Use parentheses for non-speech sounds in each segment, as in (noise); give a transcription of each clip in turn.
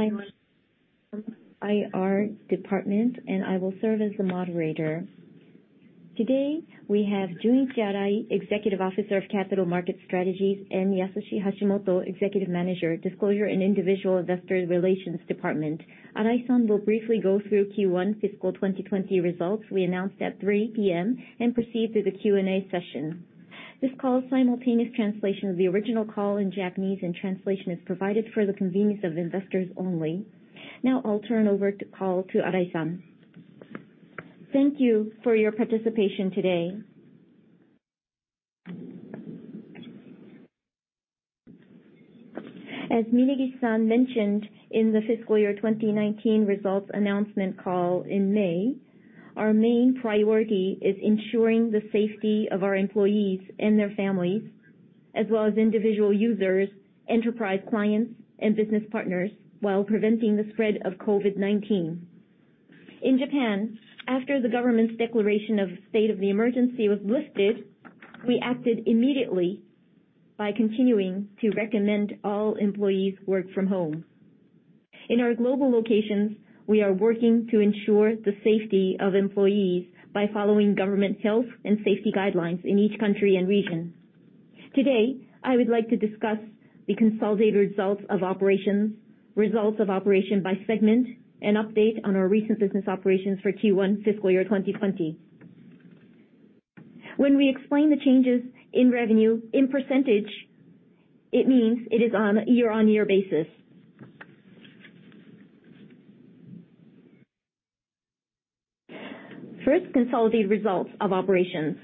(audio distortion) IR department, and I will serve as the moderator. Today, we have Junichi Arai, Executive Officer of Capital Market Strategies, and Yasushi Hashimoto, Executive Manager, Disclosure and Individual Investor Relations Department. Arai-san will briefly go through Q1 fiscal 2020 results we announced at 3:00 P.M., and proceed through the Q&A session. This call's simultaneous translation of the original call in Japanese, and translation is provided for the convenience of investors only. I'll turn over the call to Arai-san. Thank you for your participation today. As Minegishi-san mentioned in the fiscal year 2019 results announcement call in May, our main priority is ensuring the safety of our employees and their families, as well as individual users, enterprise clients, and business partners while preventing the spread of COVID-19. In Japan, after the government's declaration of state of the emergency was lifted, we acted immediately by continuing to recommend all employees work from home. In our global locations, we are working to ensure the safety of employees by following government health and safety guidelines in each country and region. Today, I would like to discuss the consolidated results of operations, results of operation by segment, and update on our recent business operations for Q1 fiscal 2020. When we explain the changes in revenue in percentage, it means it is on a year-on-year basis. First, consolidated results of operations.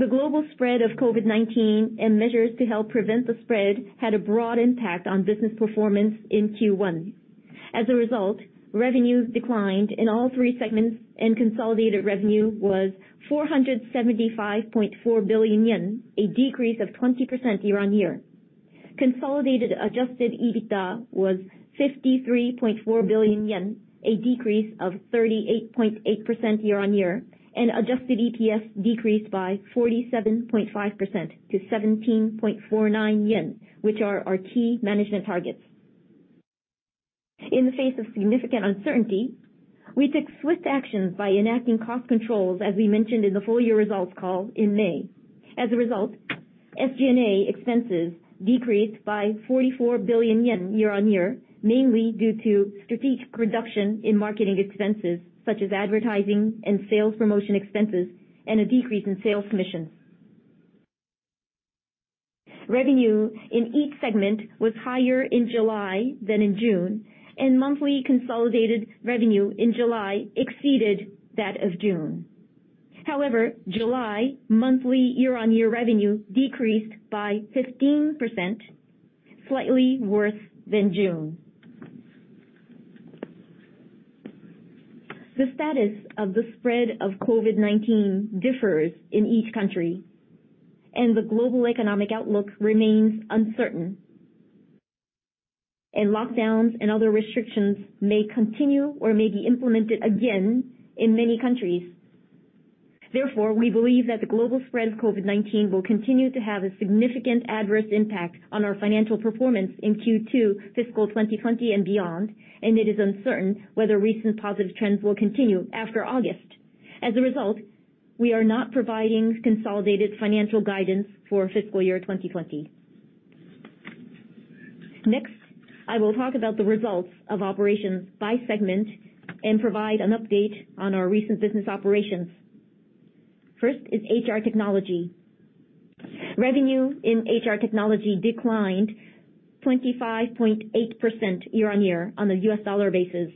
The global spread of COVID-19 and measures to help prevent the spread had a broad impact on business performance in Q1. As a result, revenues declined in all three segments, and consolidated revenue was 475.4 billion yen, a decrease of 20% year-on-year. Consolidated adjusted EBITDA was 53.4 billion yen, a decrease of 38.8% year-on-year, and adjusted EPS decreased by 47.5% to 17.49 yen, which are our key management targets. In the face of significant uncertainty, we took swift actions by enacting cost controls, as we mentioned in the full year results call in May. As a result, SG&A expenses decreased by 44 billion yen year-on-year, mainly due to strategic reduction in marketing expenses, such as advertising and sales promotion expenses, and a decrease in sales commissions. Revenue in each segment was higher in July than in June, and monthly consolidated revenue in July exceeded that of June. However, July monthly year-on-year revenue decreased by 15%, slightly worse than June. The status of the spread of COVID-19 differs in each country, and the global economic outlook remains uncertain, and lockdowns and other restrictions may continue or may be implemented again in many countries. Therefore, we believe that the global spread of COVID-19 will continue to have a significant adverse impact on our financial performance in Q2 fiscal 2020 and beyond, and it is uncertain whether recent positive trends will continue after August. As a result, we are not providing consolidated financial guidance for fiscal year 2020. Next, I will talk about the results of operations by segment and provide an update on our recent business operations. First is HR technology. Revenue in HR technology declined 25.8% year-on-year on a U.S. dollar basis.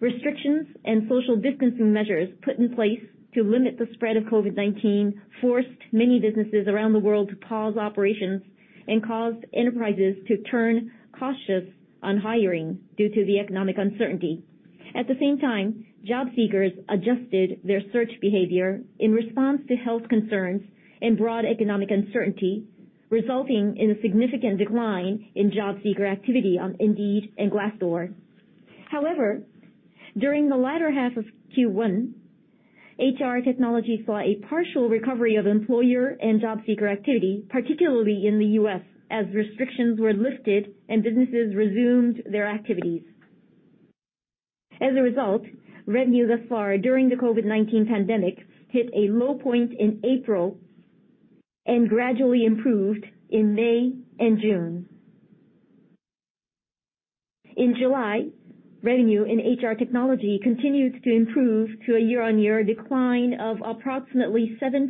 Restrictions and social distancing measures put in place to limit the spread of COVID-19 forced many businesses around the world to pause operations and caused enterprises to turn cautious on hiring due to the economic uncertainty. At the same time, job seekers adjusted their search behavior in response to health concerns and broad economic uncertainty, resulting in a significant decline in job seeker activity on Indeed and Glassdoor. However, during the latter half of Q1, HR Technology saw a partial recovery of employer and job seeker activity, particularly in the U.S., as restrictions were lifted and businesses resumed their activities. As a result, revenue thus far during the COVID-19 pandemic hit a low point in April and gradually improved in May and June. In July, revenue in HR technology continued to improve to a year-on-year decline of approximately 7%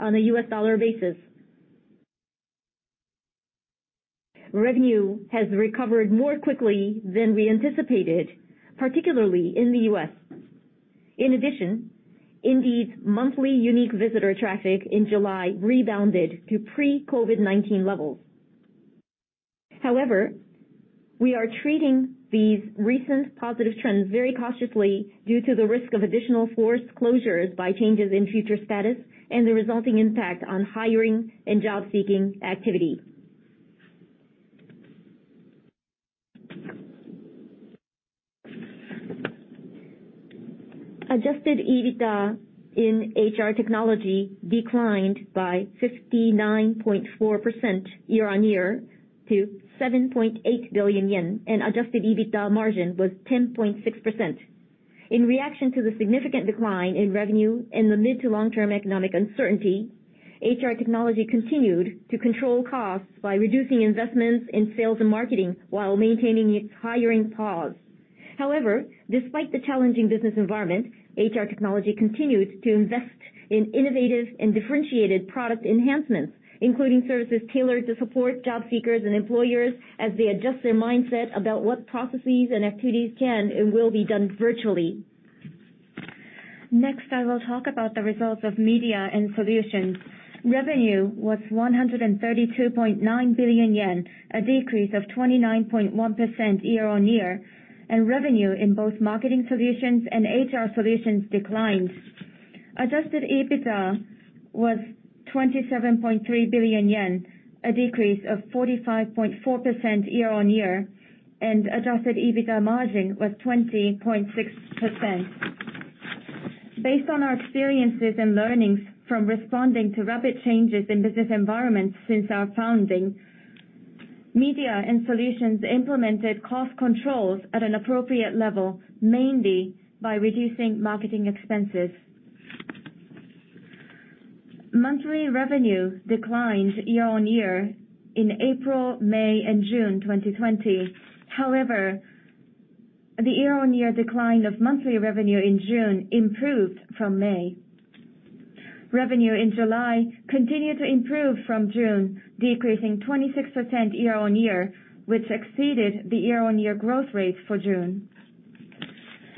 on a US dollar basis. Revenue has recovered more quickly than we anticipated, particularly in the U.S. In addition, Indeed's monthly unique visitor traffic in July rebounded to pre-COVID-19 levels. However, we are treating these recent positive trends very cautiously due to the risk of additional forced closures by changes in future status and the resulting impact on hiring and job-seeking activity. Adjusted EBITDA in HR Technology declined by 59.4% year-on-year to 7.8 billion yen, and adjusted EBITDA margin was 10.6%. In reaction to the significant decline in revenue in the mid-to-long-term economic uncertainty, HR Technology continued to control costs by reducing investments in sales and marketing while maintaining its hiring pause. However, despite the challenging business environment, HR Technology continued to invest in innovative and differentiated product enhancements, including services tailored to support job seekers and employers as they adjust their mindset about what processes and activities can and will be done virtually. Next, I will talk about the results of Media & Solutions. Revenue was 132.9 billion yen, a decrease of 29.1% year-on-year, and revenue in both Marketing Solutions and HR Solutions declined. adjusted EBITDA was 27.3 billion yen, a decrease of 45.4% year-on-year, and adjusted EBITDA margin was 20.6%. Based on our experiences and learnings from responding to rapid changes in business environments since our founding, Media & Solutions implemented cost controls at an appropriate level, mainly by reducing marketing expenses. Monthly revenue declined year-on-year in April, May, and June 2020. However, the year-on-year decline of monthly revenue in June improved from May. Revenue in July continued to improve from June, decreasing 26% year-on-year, which exceeded the year-on-year growth rate for June.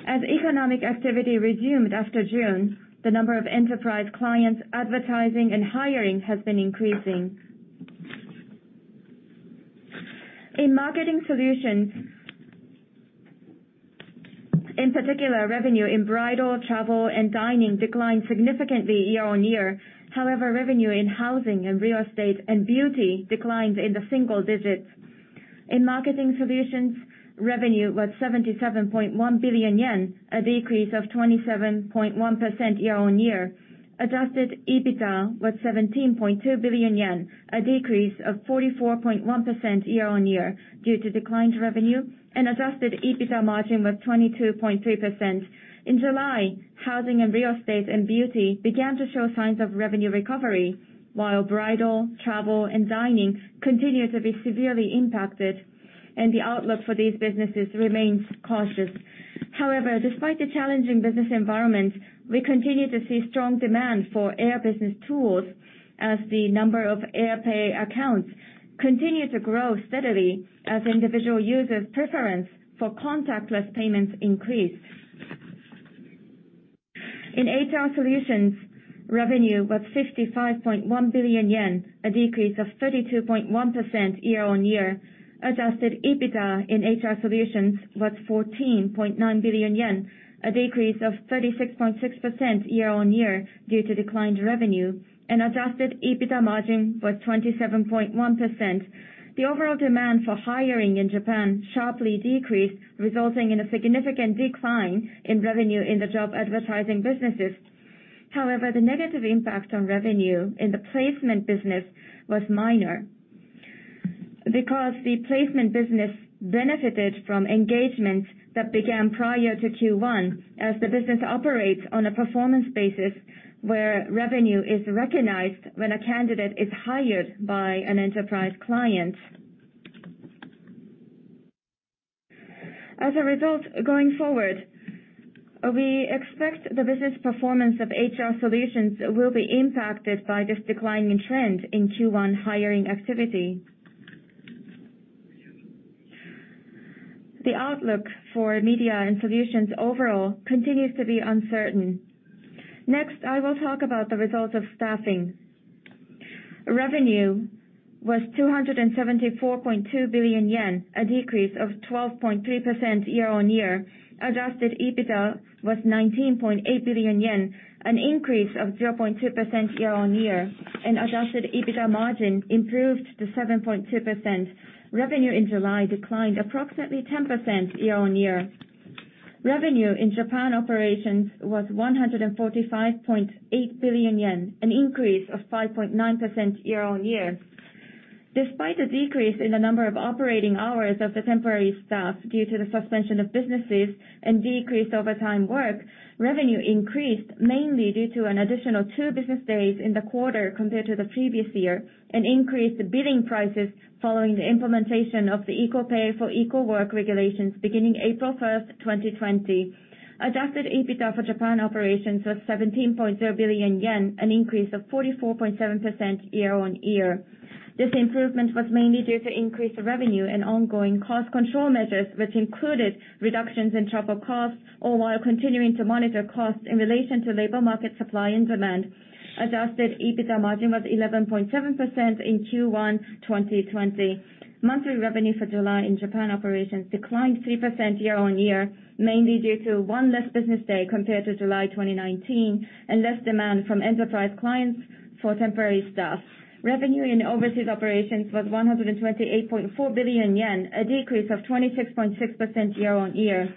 As economic activity resumed after June, the number of enterprise clients advertising and hiring has been increasing. In Marketing Solutions, in particular, revenue in bridal, travel, and dining declined significantly year-on-year. Revenue in Housing and Real Estate and Beauty declined in the single digits. In Marketing Solutions, revenue was 77.1 billion yen, a decrease of 27.1% year-on-year. adjusted EBITDA was 17.2 billion yen, a decrease of 44.1% year-on-year due to declined revenue, and adjusted EBITDA margin was 22.3%. In July, Housing and Real Estate and Beauty began to show signs of revenue recovery, while bridal, travel, and dining continued to be severely impacted, and the outlook for these businesses remains cautious. Despite the challenging business environment, we continue to see strong demand for Air BusinessTools as the number of AirPAY accounts continue to grow steadily as individual users' preference for contactless payments increase. In HR Solutions, revenue was 55.1 billion yen, a decrease of 32.1% year-on-year. Adjusted EBITDA in HR Solutions was 14.9 billion yen, a decrease of 36.6% year-on-year due to declined revenue, and adjusted EBITDA margin was 27.1%. The overall demand for hiring in Japan sharply decreased, resulting in a significant decline in revenue in the job advertising businesses. However, the negative impact on revenue in the placement business was minor because the placement business benefited from engagements that began prior to Q1 as the business operates on a performance basis, where revenue is recognized when a candidate is hired by an enterprise client. As a result, going forward, we expect the business performance of HR Solutions will be impacted by this declining trend in Q1 hiring activity. The outlook for Media & Solutions overall continues to be uncertain. Next, I will talk about the results of Staffing. Revenue was 274.2 billion yen, a decrease of 12.3% year-on-year. Adjusted EBITDA was 19.8 billion yen, an increase of 0.2% year-on-year, and adjusted EBITDA margin improved to 7.2%. Revenue in July declined approximately 10% year-on-year. Revenue in Japan operations was 145.8 billion yen, an increase of 5.9% year-on-year. Despite a decrease in the number of operating hours of the temporary staff due to the suspension of businesses and decreased overtime work, revenue increased mainly due to an additional two business days in the quarter compared to the previous year, and increased the bidding prices following the implementation of the equal pay for equal work regulations beginning April 1st, 2020. Adjusted EBITDA for Japan operations was 17.0 billion yen, an increase of 44.7% year-on-year. This improvement was mainly due to increased revenue and ongoing cost control measures, which included reductions in travel costs, all while continuing to monitor costs in relation to labor market supply and demand. Adjusted EBITDA margin was 11.7% in Q1 2020. Monthly revenue for July in Japan operations declined 3% year-on-year, mainly due to one less business day compared to July 2019 and less demand from enterprise clients for temporary staff. Revenue in overseas operations was 128.4 billion yen, a decrease of 26.6% year-on-year.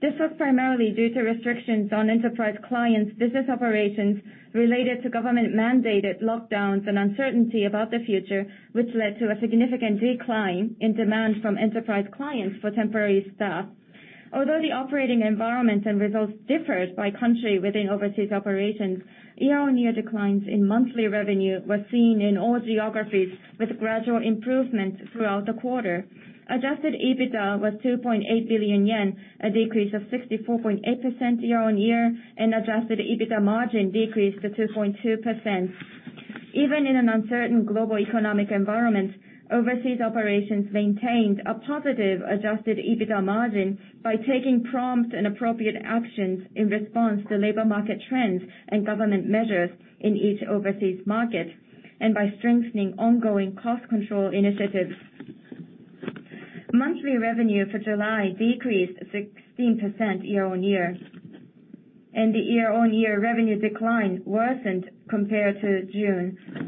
This was primarily due to restrictions on enterprise clients' business operations related to government-mandated lockdowns and uncertainty about the future, which led to a significant decline in demand from enterprise clients for temporary staff. Although the operating environment and results differs by country within overseas operations, year-on-year declines in monthly revenue were seen in all geographies, with gradual improvements throughout the quarter. Adjusted EBITDA was 2.8 billion yen, a decrease of 64.8% year-on-year, and adjusted EBITDA margin decreased to 2.2%. Even in an uncertain global economic environment, overseas operations maintained a positive adjusted EBITDA margin by taking prompt and appropriate actions in response to labor market trends and government measures in each overseas market, and by strengthening ongoing cost control initiatives. Monthly revenue for July decreased 16% year-on-year, and the year-on-year revenue decline worsened compared to June.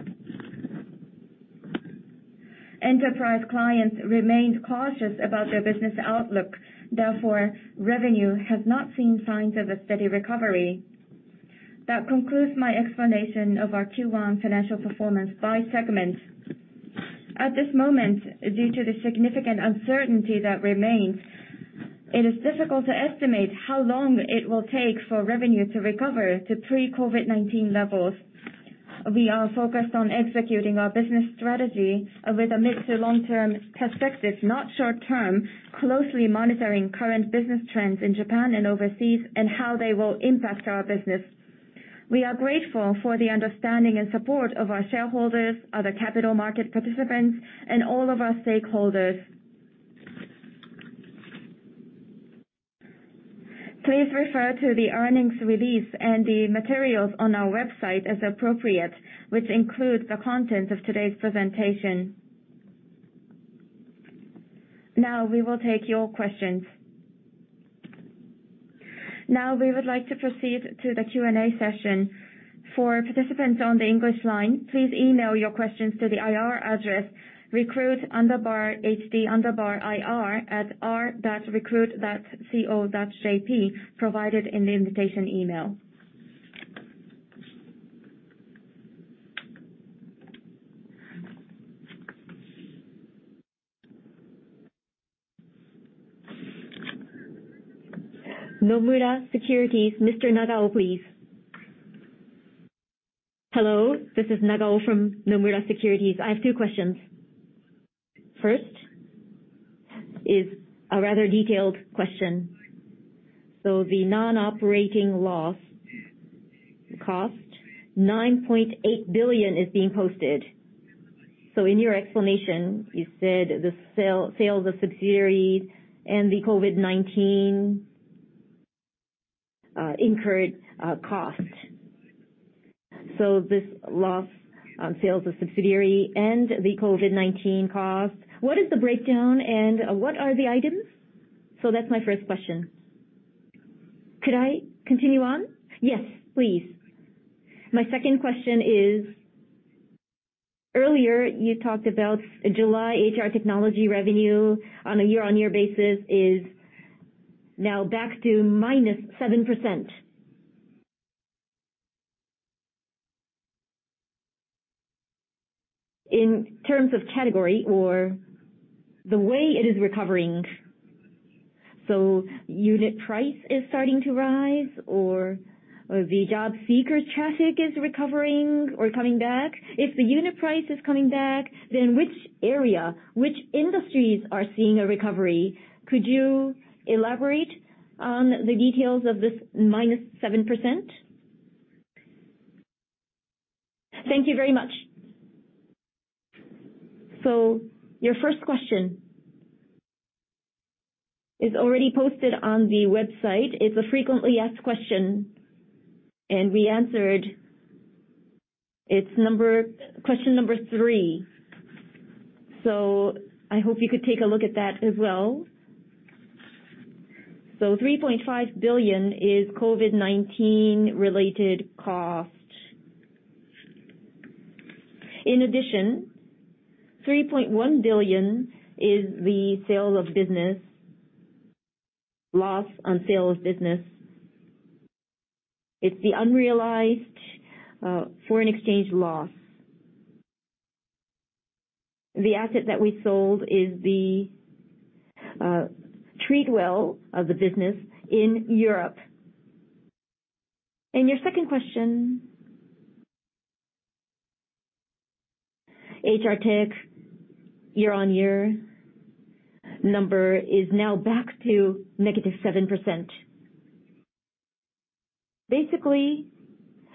Enterprise clients remained cautious about their business outlook. Therefore, revenue has not seen signs of a steady recovery. That concludes my explanation of our Q1 financial performance by segment. At this moment, due to the significant uncertainty that remains, it is difficult to estimate how long it will take for revenue to recover to pre-COVID-19 levels. We are focused on executing our business strategy with a mid to long-term perspective, not short-term, closely monitoring current business trends in Japan and overseas, and how they will impact our business. We are grateful for the understanding and support of our shareholders, other capital market participants, and all of our stakeholders. Please refer to the earnings release and the materials on our website as appropriate, which include the content of today's presentation. We will take your questions. We would like to proceed to the Q&A session. For participants on the English line, please email your questions to the IR address, recruit_hd_ir@r.recruit.co.jp, provided in the invitation email. Nomura Securities, Mr. Nagao, please. Hello. This is Nagao from Nomura Securities. I have two questions. First is a rather detailed question. The non-operating loss cost, 9.8 billion is being posted. In your explanation, you said the sale of subsidiaries and the COVID-19 incurred cost. This loss on sales of subsidiary and the COVID-19 cost, what is the breakdown and what are the items? That's my first question. Could I continue on? Yes, please. My second question is, earlier you talked about July HR Technology revenue on a year-on-year basis is now back to minus 7%. In terms of category or the way it is recovering, unit price is starting to rise or the job seeker traffic is recovering or coming back? If the unit price is coming back, which area, which industries are seeing a recovery? Could you elaborate on the details of this minus 7%? Thank you very much. Your first question is already posted on the website. It's a FAQ, and we answered. It's question number three, I hope you could take a look at that as well. JPY 3.5 billion is COVID-19 related cost. In addition, 3.1 billion is the sale of business, loss on sale of business. It's the unrealized foreign exchange loss. The asset that we sold is the Treatwell of the business in Europe. Your second question, HR Technology year-on-year number is now back to -7%. Basically,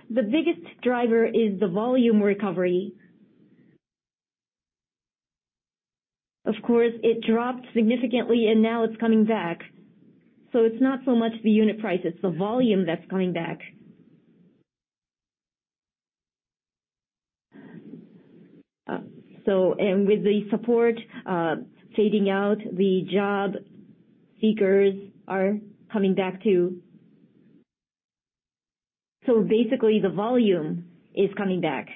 the biggest driver is the volume recovery. Of course, it dropped significantly and now it's coming back. It's not so much the unit price, it's the volume that's coming back. With the support fading out, the job seekers are coming back too. Basically, the volume is coming back.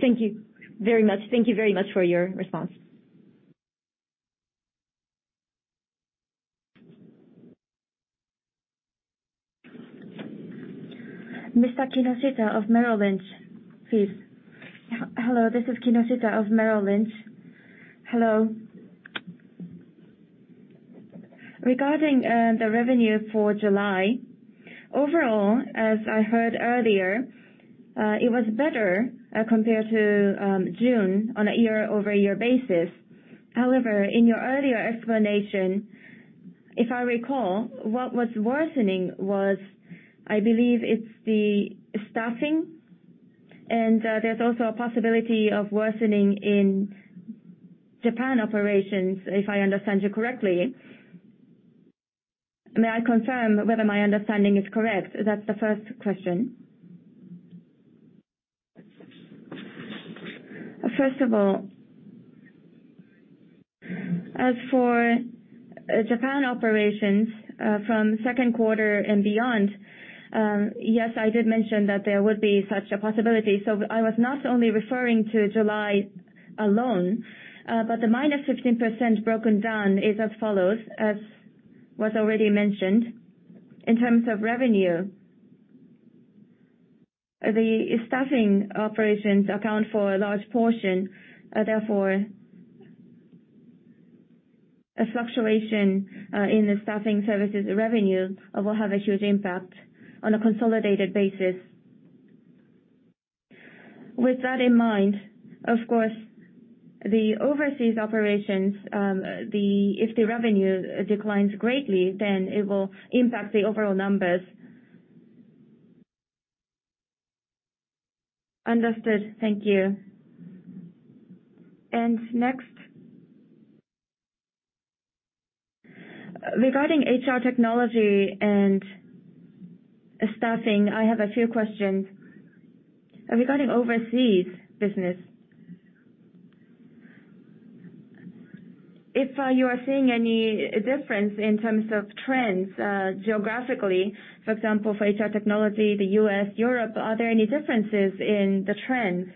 Thank you very much. Thank you very much for your response. Mr. Kinoshita of Merrill Lynch, please. Hello, this is Kinoshita of Merrill Lynch. Hello. Regarding the revenue for July, overall, as I heard earlier, it was better compared to June on a year-over-year basis. In your earlier explanation, if I recall, what was worsening was, I believe it's the staffing, and there's also a possibility of worsening in Japan operations, if I understand you correctly. May I confirm whether my understanding is correct? That's the first question. As for Japan operations, from second quarter and beyond, yes, I did mention that there would be such a possibility. I was not only referring to July alone, but the minus 15% broken down is as follows, as was already mentioned. In terms of revenue, the staffing operations account for a large portion. Therefore, a fluctuation in the staffing services revenue will have a huge impact on a consolidated basis. With that in mind, of course, the overseas operations, if the revenue declines greatly, then it will impact the overall numbers. Understood. Thank you. Next, regarding HR Technology and staffing, I have a few questions. Regarding overseas business, if you are seeing any difference in terms of trends geographically, for example, for HR Technology, the U.S., Europe, are there any differences in the trends?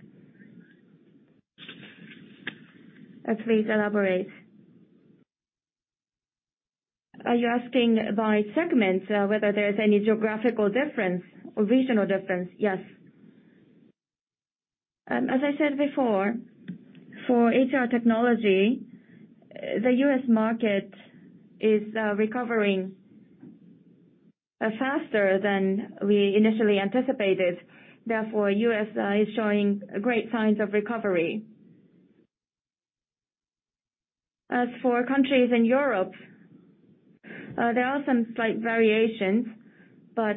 If we elaborate. Are you asking by segment whether there's any geographical difference or regional difference? Yes. As I said before, for HR Technology, the U.S. market is recovering faster than we initially anticipated. Therefore, U.S. is showing great signs of recovery. As for countries in Europe, there are some slight variations, but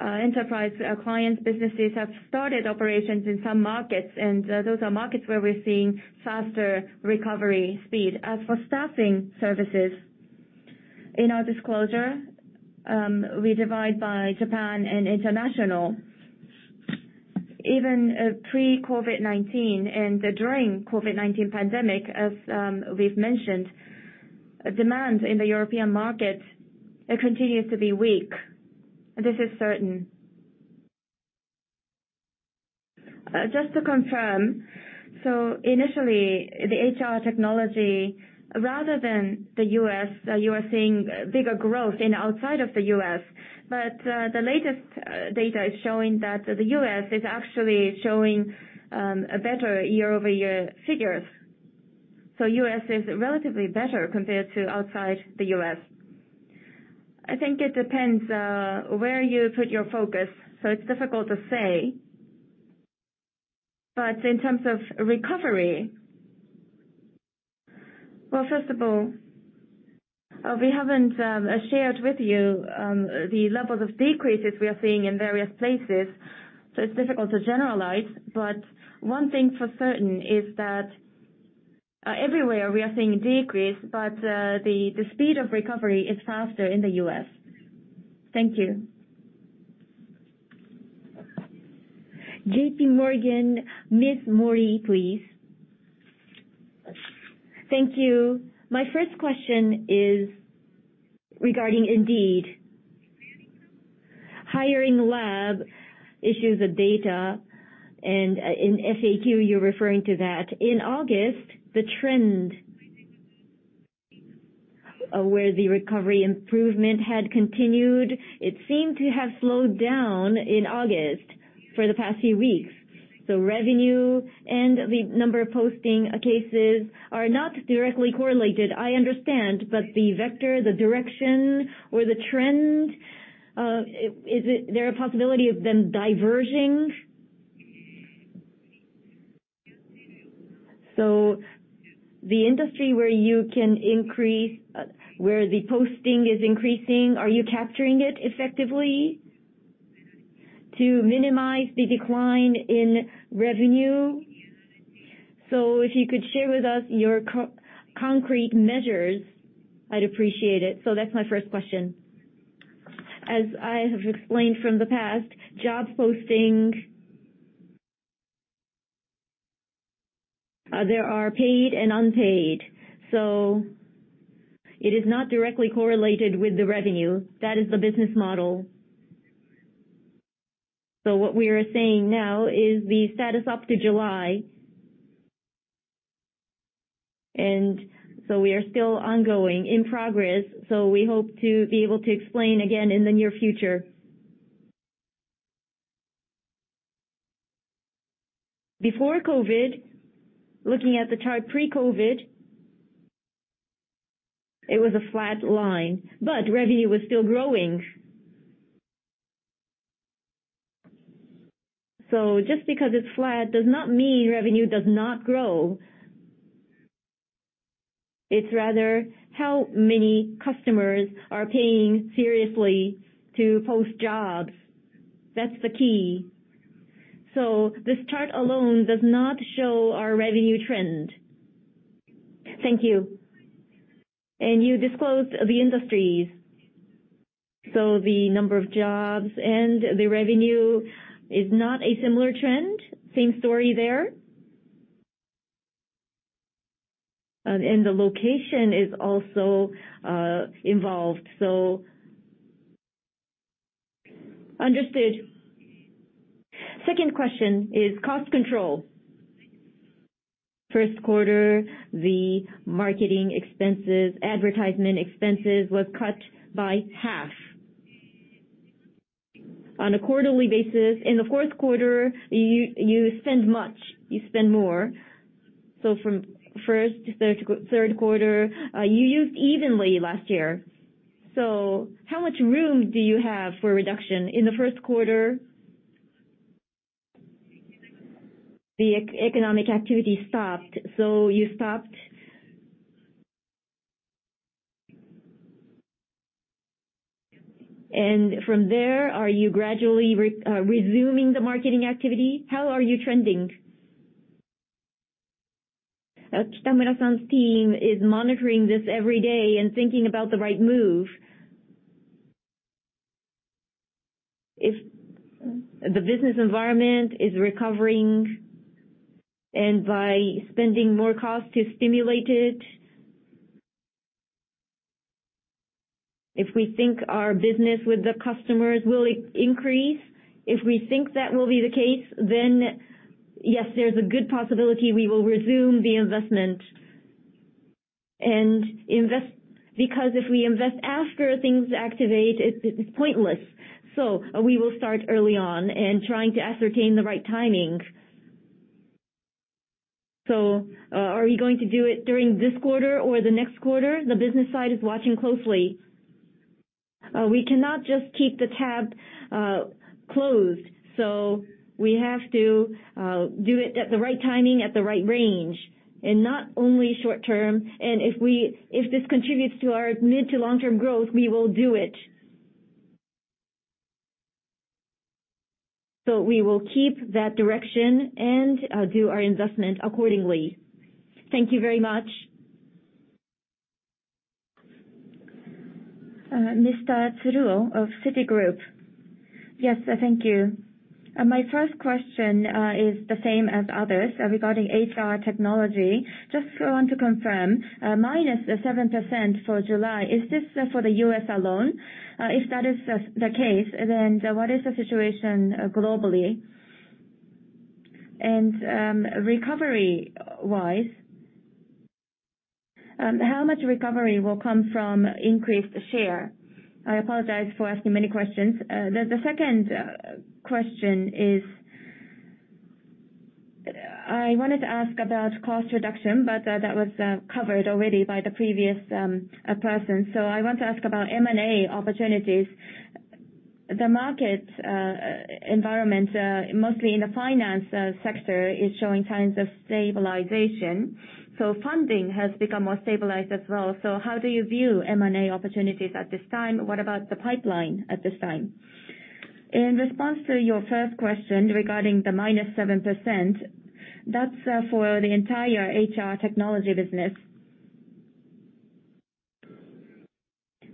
enterprise client businesses have started operations in some markets, and those are markets where we're seeing faster recovery speed. As for staffing services, in our disclosure, we divide by Japan and international. Even pre-COVID-19 and during COVID-19 pandemic, as we've mentioned, demand in the European market continues to be weak. This is certain. Just to confirm, initially, the HR Technology, rather than the U.S., you are seeing bigger growth in outside of the U.S. The latest data is showing that the U.S. is actually showing a better year-over-year figure. The U.S. is relatively better compared to outside the U.S. I think it depends where you put your focus. It's difficult to say. In terms of recovery, first of all, we haven't shared with you the levels of decreases we are seeing in various places, so it's difficult to generalize. One thing for certain is that everywhere we are seeing a decrease, but the speed of recovery is faster in the U.S. Thank you. JPMorgan, Ms. Mori, please. Thank you. My first question is regarding Indeed. Indeed Hiring Lab issues a data, and in FAQ, you're referring to that. In August, the trend where the recovery improvement had continued, it seemed to have slowed down in August for the past few weeks. Revenue and the number of posting cases are not directly correlated, I understand, but the vector, the direction or the trend, is there a possibility of them diverging? The industry where the posting is increasing, are you capturing it effectively to minimize the decline in revenue? If you could share with us your concrete measures, I'd appreciate it. That's my first question. As I have explained from the past, job postings, there are paid and unpaid. It is not directly correlated with the revenue. That is the business model. What we are saying now is the status up to July. We are still ongoing, in progress. We hope to be able to explain again in the near future. Before COVID, looking at the chart pre-COVID, it was a flat line, but revenue was still growing. Just because it is flat does not mean revenue does not grow. It is rather how many customers are paying seriously to post jobs. That is the key. This chart alone does not show our revenue trend. Thank you. You disclosed the industries. The number of jobs and the revenue is not a similar trend. Same story there. The location is also involved. Understood. Second question is cost control. First quarter, the marketing expenses, advertisement expenses, were cut by half. On a quarterly basis, in the fourth quarter, you spend more. From first to third quarter, you used evenly last year. How much room do you have for reduction? In the first quarter, the economic activity stopped, you stopped. From there, are you gradually resuming the marketing activity? How are you trending? Kitamura-san's team is monitoring this every day and thinking about the right move. If the business environment is recovering, by spending more cost to stimulate it, if we think our business with the customers will increase, if we think that will be the case, yes, there's a good possibility we will resume the investment. Because if we invest after things activate, it's pointless. We will start early on and trying to ascertain the right timing. Are we going to do it during this quarter or the next quarter? The business side is watching closely. We cannot just keep the tab closed. We have to do it at the right timing, at the right range, and not only short-term. If this contributes to our mid to long-term growth, we will do it. We will keep that direction and do our investment accordingly. Thank you very much. Mr. Tsuruo of Citigroup. Yes, thank you. My first question is the same as others regarding HR Technology. Just want to confirm, -7% for July, is this for the U.S. alone? If that is the case, what is the situation globally? Recovery-wise, how much recovery will come from increased share? I apologize for asking many questions. The second question is, I wanted to ask about cost reduction, that was covered already by the previous person. I want to ask about M&A opportunities. The market environment, mostly in the finance sector, is showing signs of stabilization. Funding has become more stabilized as well. How do you view M&A opportunities at this time? What about the pipeline at this time? In response to your first question regarding the minus 7%, that is for the entire HR Technology business.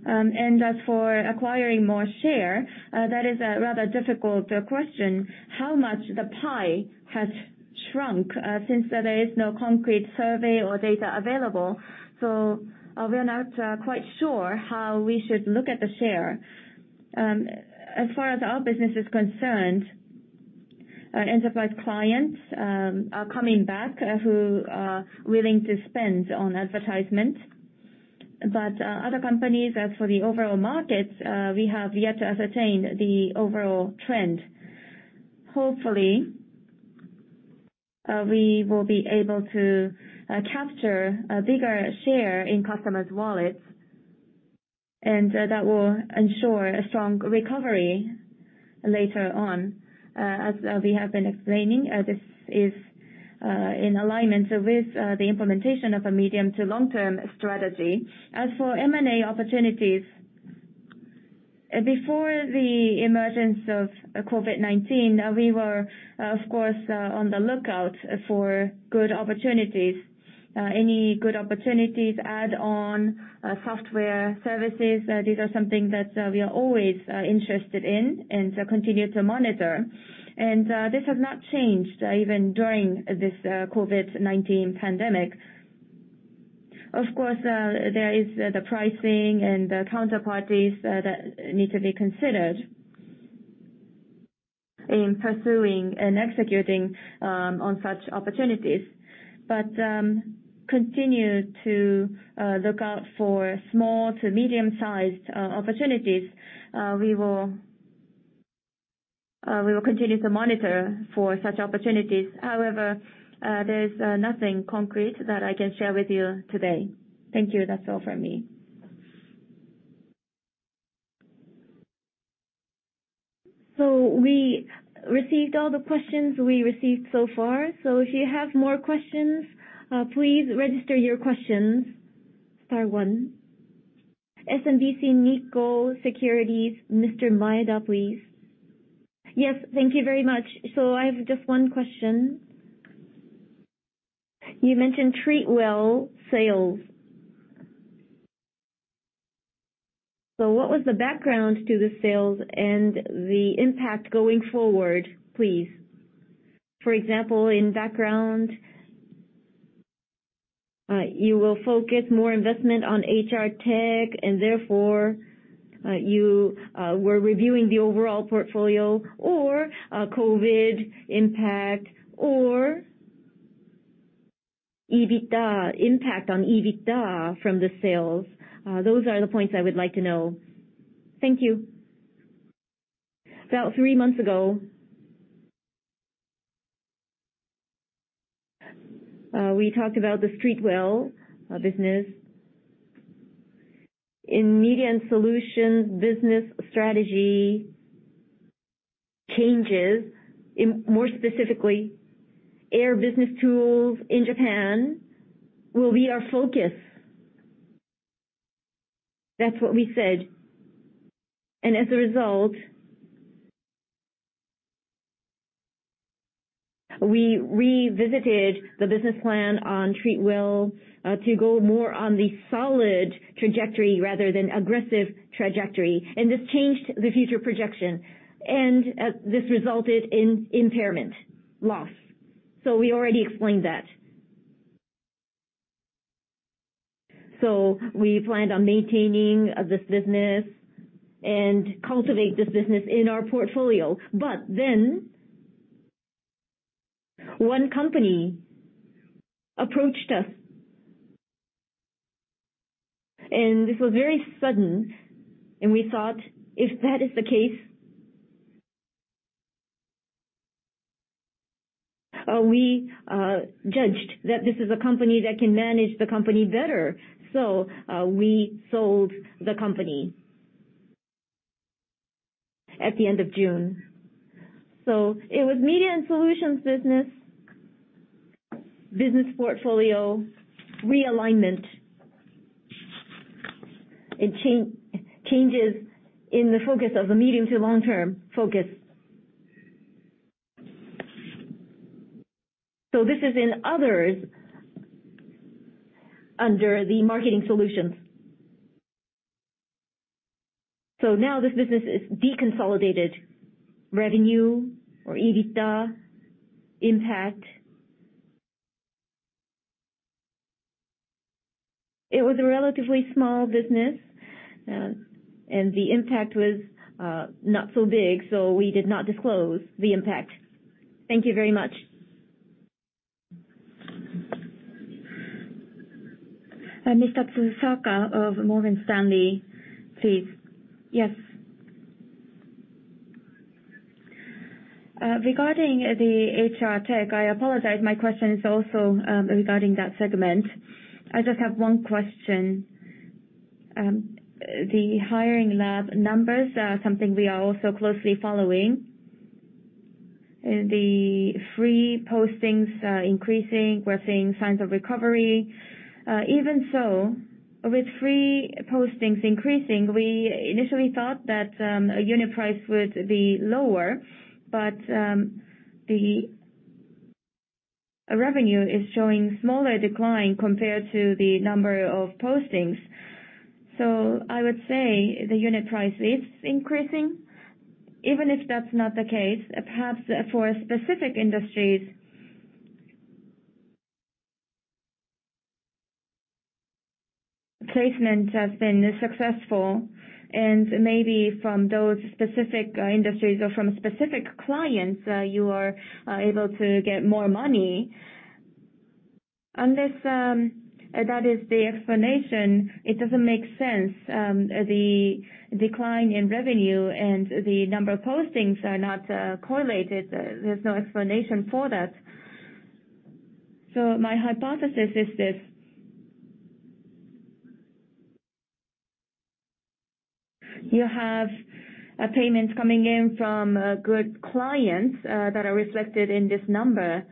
As for acquiring more share, that is a rather difficult question. How much the pie has shrunk since there is no concrete survey or data available, so we're not quite sure how we should look at the share. As far as our business is concerned, enterprise clients are coming back who are willing to spend on advertisement. Other companies, as for the overall markets, we have yet to ascertain the overall trend. Hopefully, we will be able to capture a bigger share in customers' wallets, and that will ensure a strong recovery later on. As we have been explaining, this is in alignment with the implementation of a medium to long-term strategy. As for M&A opportunities, before the emergence of COVID-19, we were, of course, on the lookout for good opportunities. Any good opportunities, add-on software services, these are something that we are always interested in and continue to monitor. This has not changed even during this COVID-19 pandemic. Of course, there is the pricing and the counterparties that need to be considered In pursuing and executing on such opportunities, but continue to look out for small to medium-sized opportunities. We will continue to monitor for such opportunities. However, there is nothing concrete that I can share with you today. Thank you. That's all from me. We received all the questions we received so far. If you have more questions, please register your questions, star one. SMBC Nikko Securities, Mr. Maeda, please. Yes, thank you very much. I have just one question. You mentioned Treatwell sales. What was the background to the sales and the impact going forward, please? For example, in background, you will focus more investment on HR tech and therefore, you were reviewing the overall portfolio, or COVID impact, or impact on EBITDA from the sales. Those are the points I would like to know. Thank you. About three months ago, we talked about the Treatwell business. In Media & Solutions business strategy changes, more specifically, Air BusinessTools in Japan will be our focus. That's what we said. As a result, we revisited the business plan on Treatwell to go more on the solid trajectory rather than aggressive trajectory. This changed the future projection. This resulted in impairment loss. We already explained that. We planned on maintaining this business and cultivate this business in our portfolio. One company approached us, and this was very sudden, and we thought if that is the case, we judged that this is a company that can manage the company better. We sold the company at the end of June. It was Media & Solutions business portfolio realignment. It changes in the focus of the medium to long-term focus. This is in others under the Marketing Solutions. Now this business is deconsolidated revenue or EBITDA impact. It was a relatively small business, and the impact was not so big, so we did not disclose the impact. Thank you very much. Ms. Tsusaka of Morgan Stanley, please. Yes. Regarding the HR Tech, I apologize, my question is also regarding that segment. I just have one question. The Hiring Lab numbers are something we are also closely following. The free postings are increasing. We're seeing signs of recovery. Even so, with free postings increasing, we initially thought that unit price would be lower, but the revenue is showing smaller decline compared to the number of postings. I would say the unit price is increasing. Even if that's not the case, perhaps for specific industries, placement has been successful, and maybe from those specific industries or from specific clients, you are able to get more money. Unless that is the explanation, it doesn't make sense. The decline in revenue and the number of postings are not correlated. There's no explanation for that. My hypothesis is this. You have payments coming in from good clients that are reflected in this number.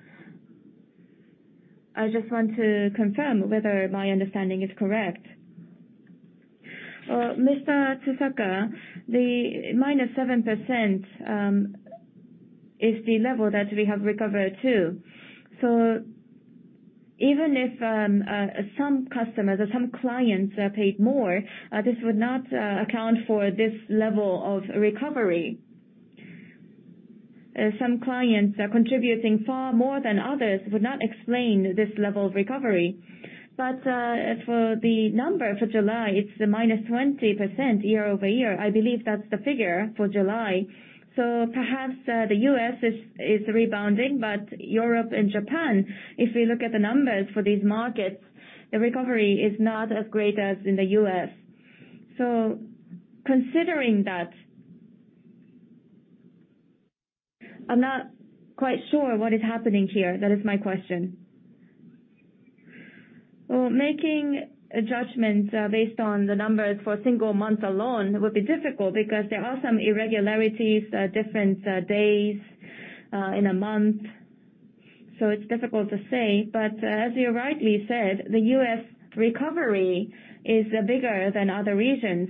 I just want to confirm whether my understanding is correct. Mr. Tsusaka, the -7% is the level that we have recovered to. Even if some customers or some clients paid more, this would not account for this level of recovery. Some clients are contributing far more than others, would not explain this level of recovery. For the number for July, it's the -20% year-over-year. I believe that's the figure for July. Perhaps the U.S. is rebounding, but Europe and Japan, if we look at the numbers for these markets, the recovery is not as great as in the U.S. Considering that, I'm not quite sure what is happening here. That is my question. Making a judgment based on the numbers for a single month alone would be difficult because there are some irregularities, different days in a month. It's difficult to say, but as you rightly said, the U.S. recovery is bigger than other regions.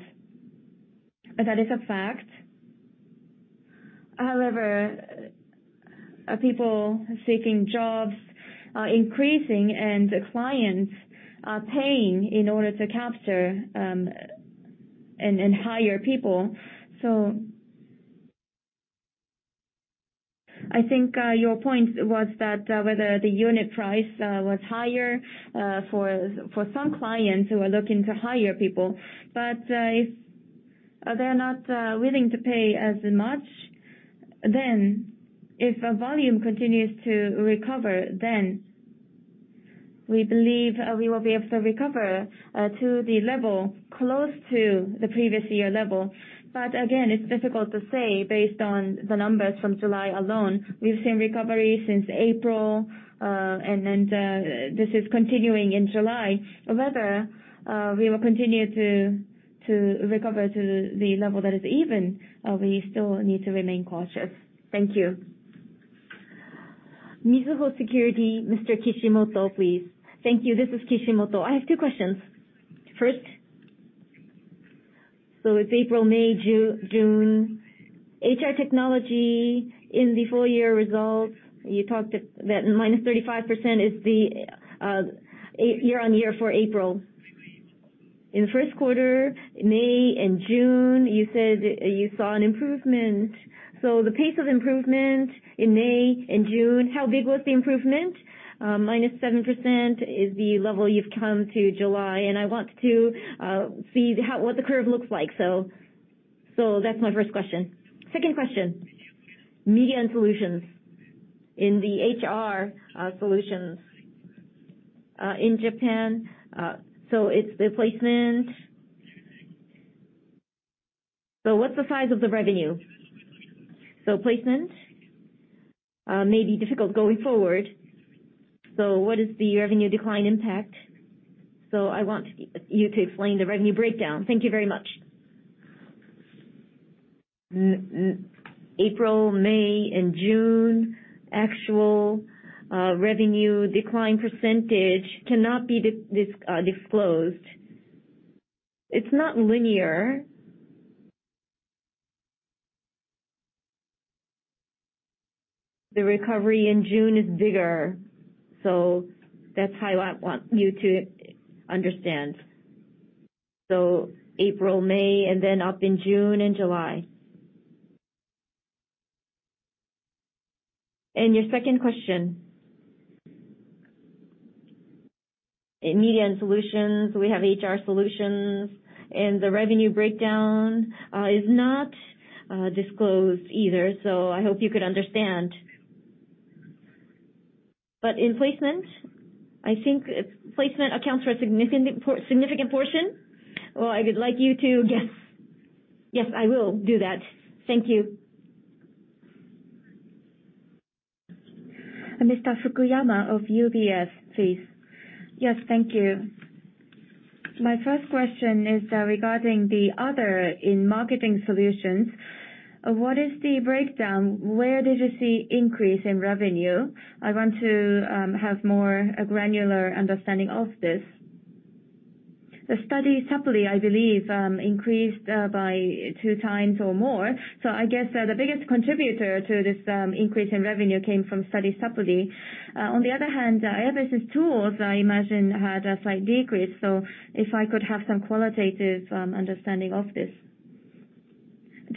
That is a fact. People seeking jobs are increasing, and the clients are paying in order to capture and hire people. I think your point was that whether the unit price was higher for some clients who are looking to hire people, but if they're not willing to pay as much, then if volume continues to recover, then we believe we will be able to recover to the level close to the previous year level. Again, it's difficult to say based on the numbers from July alone. We've seen recovery since April, and then this is continuing in July. Whether we will continue to recover to the level that is even, we still need to remain cautious. Thank you. Mizuho Securities, Mr. Kishimoto, please. Thank you. This is Kishimoto. I have two questions. First, it's April, May, June. HR Technology in the full year results, you talked that -35% is the year-on-year for April. In the first quarter, May and June, you said you saw an improvement. The pace of improvement in May and June, how big was the improvement? -7% is the level you've come to July, and I want to see what the curve looks like. That's my first question. Second question, Media & Solutions in the HR Solutions, in Japan, it's the placement. What's the size of the revenue? Placement may be difficult going forward. What is the revenue decline impact? I want you to explain the revenue breakdown. Thank you very much. April, May, and June, actual revenue decline percentage cannot be disclosed. It's not linear. The recovery in June is bigger. That's how I want you to understand. April, May, and then up in June and July. Your second question. In Media & Solutions, we have HR Solutions, and the revenue breakdown is not disclosed either, so I hope you could understand. In placement, I think placement accounts for a significant portion. Well, I would like you to guess. Yes, I will do that. Thank you. Mr. Fukuyama of UBS, please. Yes. Thank you. My first question is regarding the other in Marketing Solutions. What is the breakdown? Where did you see increase in revenue? I want to have more a granular understanding of this. The Study Sapuri, I believe, increased by two times or more. I guess the biggest contributor to this increase in revenue came from Study Sapuri. On the other hand, other tools, I imagine, had a slight decrease. If I could have some qualitative understanding of this.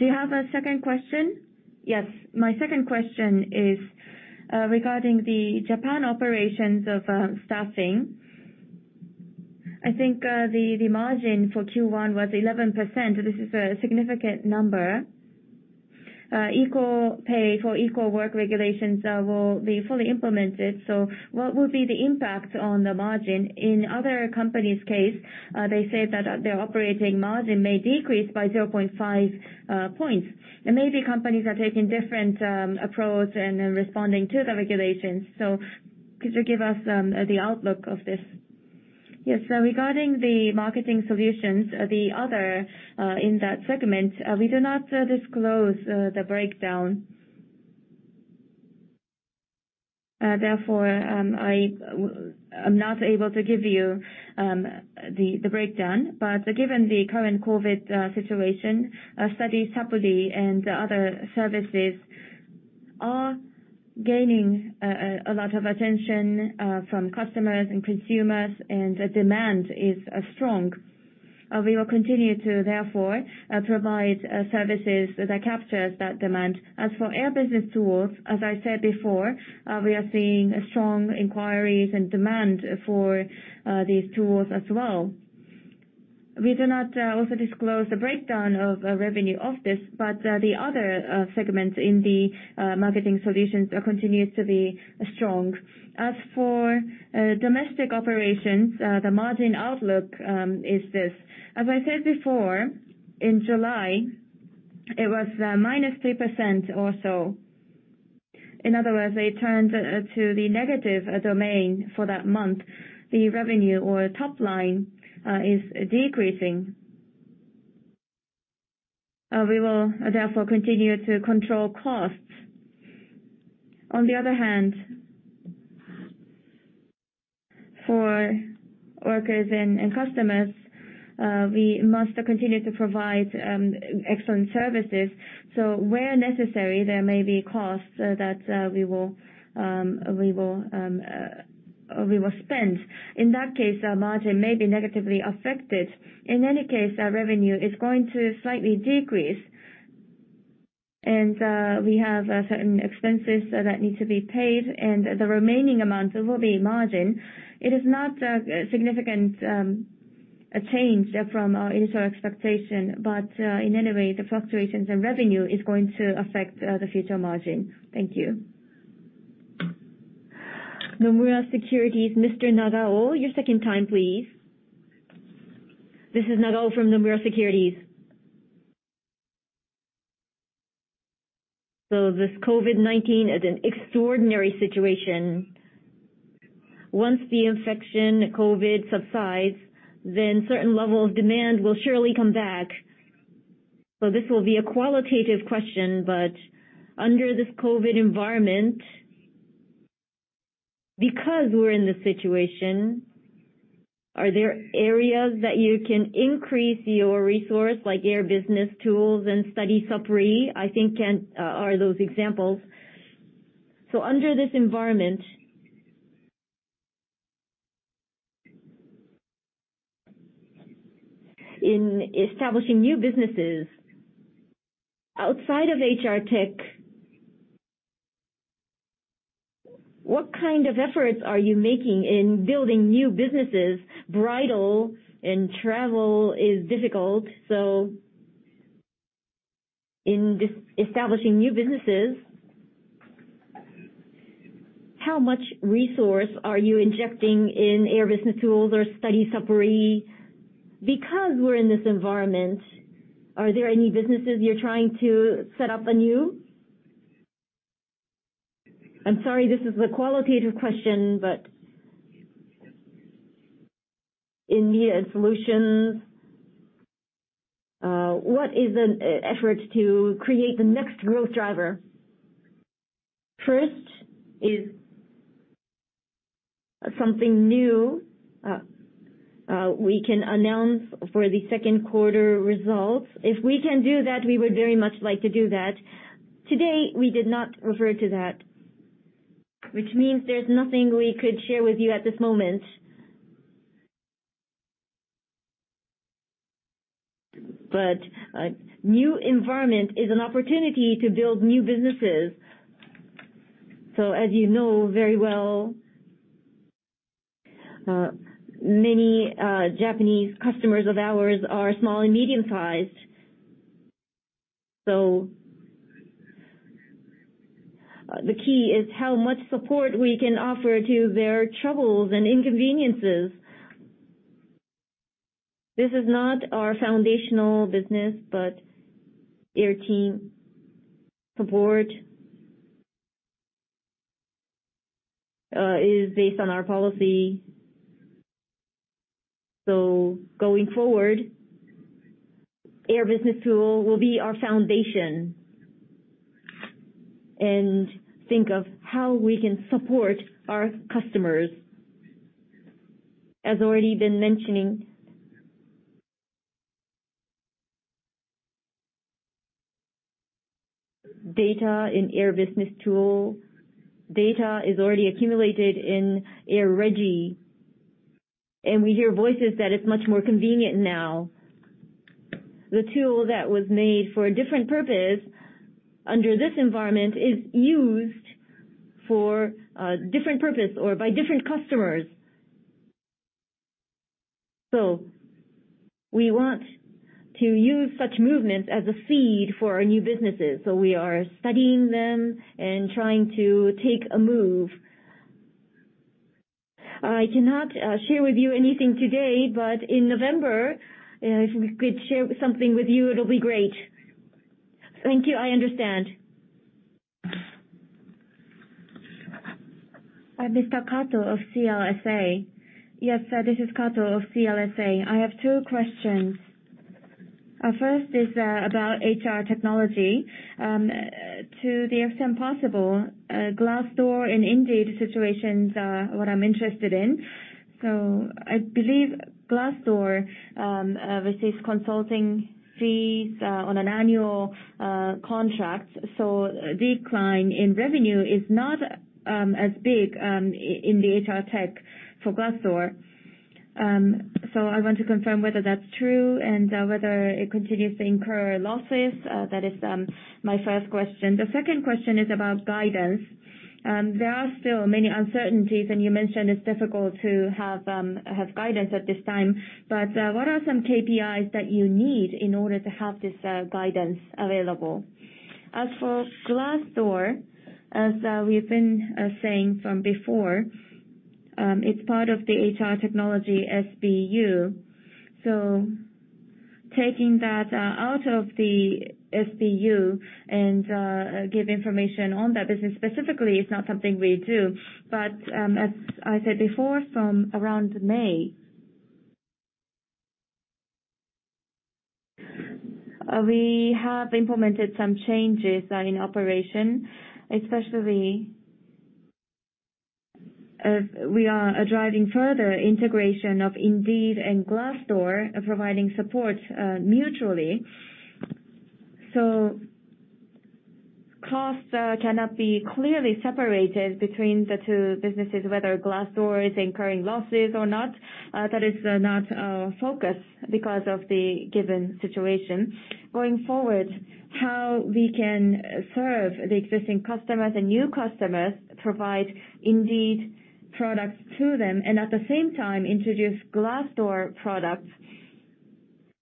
Do you have a second question? Yes. My second question is regarding the Japan operations of staffing. I think the margin for Q1 was 11%. This is a significant number. Equal pay for equal work regulations will be fully implemented. What will be the impact on the margin? In other companies' case, they say that their operating margin may decrease by 0.5 points, and maybe companies are taking different approach and are responding to the regulations. Could you give us the outlook of this? Yes. Regarding the Marketing Solutions, the other in that segment, we do not disclose the breakdown. Therefore, I'm not able to give you the breakdown. Given the current COVID-19 situation, Study Sapuri and other services are gaining a lot of attention from customers and consumers, and the demand is strong. We will continue to therefore provide services that captures that demand. As for Air BusinessTools, as I said before, we are seeing strong inquiries and demand for these tools as well. We do not also disclose the breakdown of revenue of this, but the other segments in the Marketing Solutions continues to be strong. As for domestic operations, the margin outlook is this. As I said before, in July, it was -3% or so. In other words, it turned to the negative domain for that month. The revenue or top line is decreasing. We will therefore continue to control costs. On the other hand, for workers and customers, we must continue to provide excellent services. Where necessary, there may be costs that we will spend. In that case, our margin may be negatively affected. In any case, our revenue is going to slightly decrease. We have certain expenses that need to be paid, and the remaining amount will be margin. It is not a significant change from our initial expectation. In any way, the fluctuations in revenue is going to affect the future margin. Thank you. Nomura Securities, Mr. Nagao. Your second time, please. This is Nagao from Nomura Securities. This COVID-19 is an extraordinary situation. Once the infection COVID subsides, then certain level of demand will surely come back. This will be a qualitative question, but under this COVID environment, because we're in this situation, are there areas that you can increase your resource like Air BusinessTools and Study Sapuri? I think are those examples. Under this environment, in establishing new businesses outside of HR Tech, what kind of efforts are you making in building new businesses? Bridal and travel is difficult, so in establishing new businesses, how much resource are you injecting in Air BusinessTools or Study Sapuri? Because we're in this environment, are there any businesses you're trying to set up anew? I'm sorry, this is a qualitative question, but in Media & Solutions, what is an effort to create the next growth driver? First is something new we can announce for the second quarter results. If we can do that, we would very much like to do that. Today, we did not refer to that, which means there's nothing we could share with you at this moment. A new environment is an opportunity to build new businesses. As you know very well, many Japanese customers of ours are small and medium-sized. The key is how much support we can offer to their troubles and inconveniences. This is not our foundational business, but our team support is based on our policy. Going forward, Air BusinessTools will be our foundation and think of how we can support our customers. As already been mentioning, data is already accumulated in AirREGI, and we hear voices that it's much more convenient now. The tool that was made for a different purpose under this environment is used for a different purpose or by different customers. We want to use such movements as a seed for our new businesses. We are studying them and trying to take a move. I cannot share with you anything today, but in November, if we could share something with you, it'll be great. Thank you. I understand. Mr. Kato of CLSA. Yes, this is Kato of CLSA. I have two questions. First is about HR Technology. To the extent possible, Glassdoor and Indeed situations are what I'm interested in. I believe Glassdoor receives consulting fees on an annual contract. Decline in revenue is not as big in the HR Tech for Glassdoor. I want to confirm whether that's true and whether it continues to incur losses. That is my first question. The second question is about guidance. There are still many uncertainties, and you mentioned it's difficult to have guidance at this time. What are some KPIs that you need in order to have this guidance available? As for Glassdoor, as we've been saying from before, it's part of the HR Technology SBU. Taking that out of the SBU and give information on that business specifically is not something we do. As I said before, from around May, we have implemented some changes in operation, especially as we are driving further integration of Indeed and Glassdoor, providing support mutually. Costs cannot be clearly separated between the two businesses, whether Glassdoor is incurring losses or not. That is not our focus because of the given situation. Going forward, how we can serve the existing customers and new customers, provide Indeed products to them, and at the same time introduce Glassdoor products.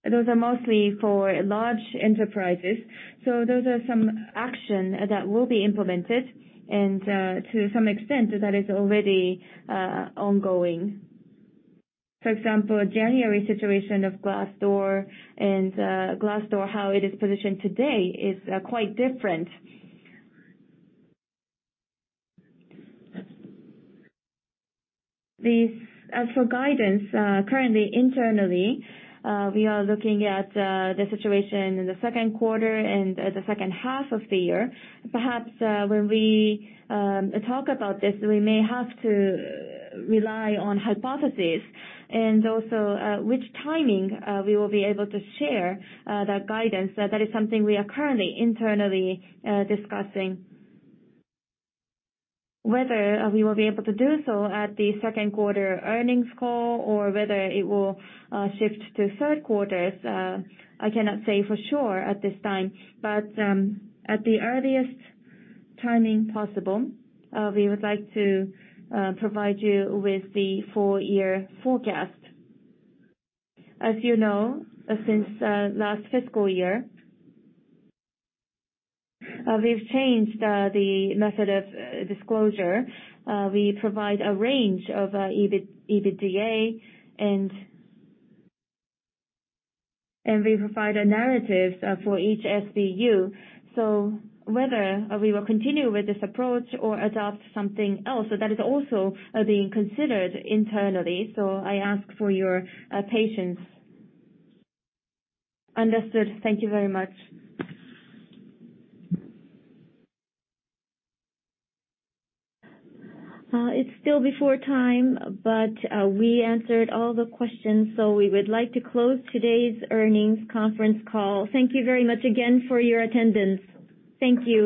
Those are mostly for large enterprises. Those are some action that will be implemented and to some extent, that is already ongoing. For example, January situation of Glassdoor, how it is positioned today, is quite different. As for guidance, currently, internally, we are looking at the situation in the second quarter and the second half of the year. Perhaps when we talk about this, we may have to rely on hypothesis and also which timing we will be able to share that guidance. That is something we are currently internally discussing. Whether we will be able to do so at the second quarter earnings call or whether it will shift to third quarter, I cannot say for sure at this time. At the earliest timing possible, we would like to provide you with the full year forecast. As you know, since last fiscal year, we've changed the method of disclosure. We provide a range of EBITDA and we provide a narrative for each SBU. Whether we will continue with this approach or adopt something else, that is also being considered internally. I ask for your patience. Understood. Thank you very much. It is still before time, but we answered all the questions, so we would like to close today's earnings conference call. Thank you very much again for your attendance. Thank you.